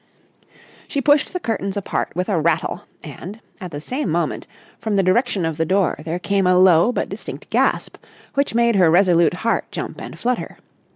She pushed the curtains apart with a rattle and, at the same moment, from the direction of the door there came a low but distinct gasp which made her resolute heart jump and flutter.